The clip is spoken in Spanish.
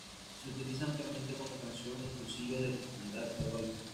Se utiliza ampliamente como canción en los Cursillos de Cristiandad católicos.